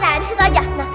nah di situ aja